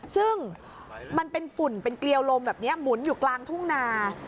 ซึ่งมันเป็นฝุ่นเป็นเกลียวลมแบบนี้หมุนอยู่กลางทุ่งนา